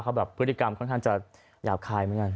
เขาแบบพฤติกรรมค่อนข้างจะหยาบคายเหมือนกัน